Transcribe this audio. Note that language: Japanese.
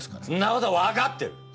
そんな事はわかってる！